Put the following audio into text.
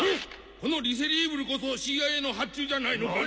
この偽リーブルこそＣＩＡの発注じゃないのかね！